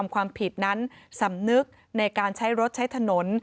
ความผิดนั้นสำนึกในการใช้รถใช้ถนน